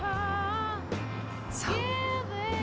そう。